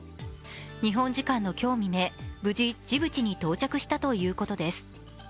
日本時間の今日未明、無事ジブチに到着したということです。